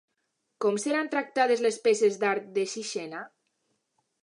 Com seran tractades les peces d'art de Sixena?